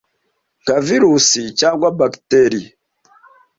nka virusi cyangwa bagiteri,